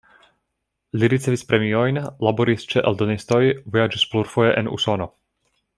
Li ricevis premiojn, laboris ĉe eldonistoj, vojaĝis plurfoje en Usono.